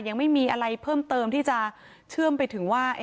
ยังไม่มีอะไรเพิ่มเติมที่จะเชื่อมไปถึงว่า